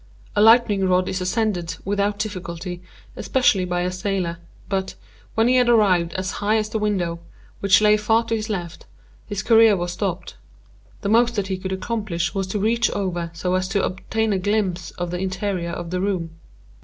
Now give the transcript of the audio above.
A lightning rod is ascended without difficulty, especially by a sailor; but, when he had arrived as high as the window, which lay far to his left, his career was stopped; the most that he could accomplish was to reach over so as to obtain a glimpse of the interior of the room.